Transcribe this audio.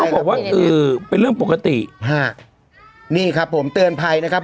บอกว่าเออเป็นเรื่องปกติฮะนี่ครับผมเตือนภัยนะครับ